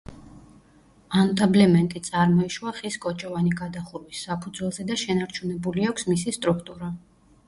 ანტაბლემენტი წარმოიშვა ხის კოჭოვანი გადახურვის საფუძველზე და შენარჩუნებული აქვს მისი სტრუქტურა.